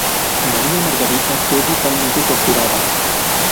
María Margarita fue brutalmente torturada.